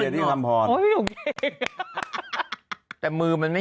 นี่ใครคะ